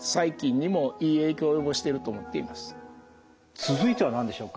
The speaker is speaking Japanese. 続いては何でしょうか？